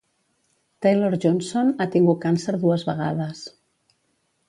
Taylor-Johnson ha tingut càncer dues vegades.